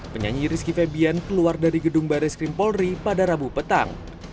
penyanyi rizky febian keluar dari gedung baris krim polri pada rabu petang